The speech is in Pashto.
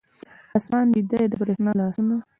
آسمان بیده دی، د بریښنا لاسونه